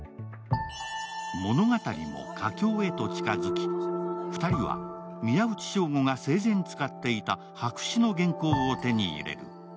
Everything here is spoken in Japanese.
物語も佳境へと近づき、２人は宮内彰吾が生前使っていた白紙の原稿を手に入れる。